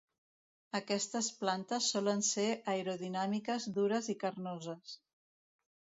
Aquestes plantes solen ser aerodinàmiques, dures i carnoses.